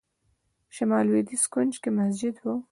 شمال لوېدیځ کونج کې مسجد و.